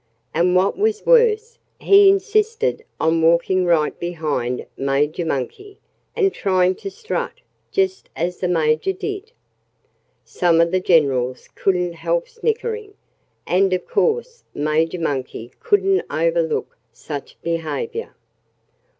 And what was worse, he insisted on walking right behind Major Monkey, and trying to strut just as the Major did. Some of the generals couldn't help snickering. And of course Major Monkey couldn't overlook such behavior.